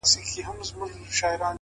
داسي ژوند هم راځي تر ټولو عزتمن به يې ـ